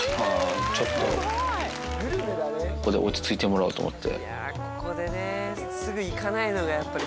ちょっと、ここで落ち着いてもらおうと思って。